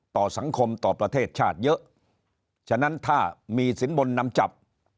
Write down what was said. ต่อสังคมต่อประเทศชาติเยอะฉะนั้นถ้ามีสินบนนำจับ